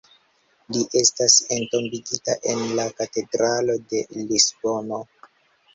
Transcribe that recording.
Li estas entombigita en la Katedralo de Lisbono.